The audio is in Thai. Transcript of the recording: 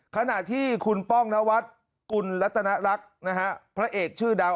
ขณะที่คุณป้องนวัสต์คุณลัตนรักพระเอกชื่อดัง